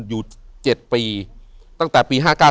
อยู่ที่แม่ศรีวิรัยิลครับ